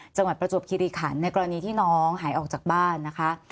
ประจวบคิริขันในกรณีที่น้องหายออกจากบ้านนะคะ